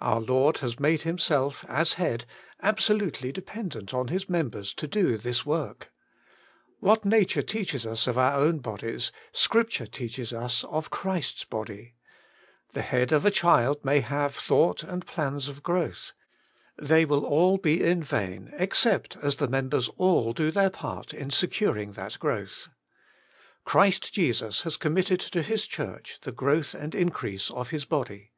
Our Lord has made Himself, as Head, ab solutely dependent on His members to do 88 Working for God this work. What nature teaches us of our own bodies, Scripture teaches us of Christ's body. The head of a child may have thought and plans of growth — they will all be vain, except as the members all do their part in securing that growth. Christ Jesus has committed to His Church the growth and increase of His body.